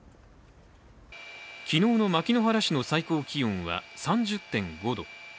昨日の牧之原市の最高気温は３０．５度。